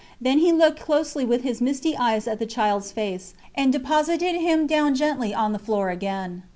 Then he looked closely with his misty eyes at the childs face and deposited him down gently on the floor again.